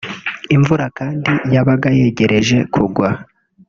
Imvura kandi yabaga yegereje kugwa